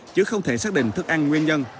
chứ không thể xác định thức ăn nguyên nhân